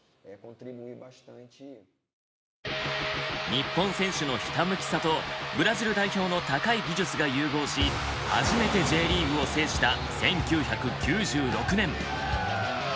日本選手のひたむきさとブラジル代表の高い技術が融合し初めてＪリーグを制した１９９６年。